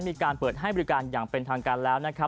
มีการเปิดให้บริการอย่างเป็นทางการแล้วนะครับ